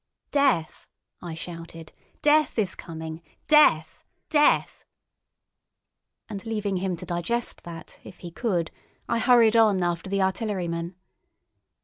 "Death!" I shouted. "Death is coming! Death!" and leaving him to digest that if he could, I hurried on after the artillery man.